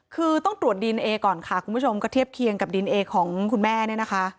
คือต้องตรวจดีเอนเอก่อนค่ะคุณผู้ชมก็เทียบเคียงกับดีเอนเอของคุณแม่เนี่ยนะคะ